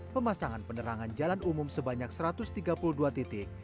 pemasangan penerangan jalan umum sebanyak satu ratus tiga puluh dua titik